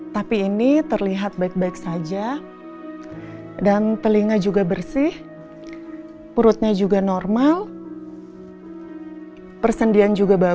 tapi ini terlihat baik baik saja dan telinga juga bersih perutnya juga normal persendian juga baru